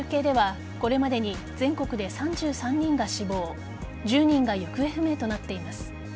韓国政府の集計ではこれまでに、全国で３３人が死亡１０人が行方不明となっています。